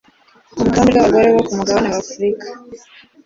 urutonde rw'abagore bo ku mugabane wa Afrika